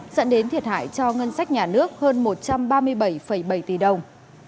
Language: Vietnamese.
dẫn đến thiệt hại cho ngân sách nhà nước hơn một trăm ba mươi bảy bảy tỷ đồng